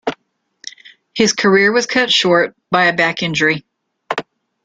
His career was cut short by a back injury.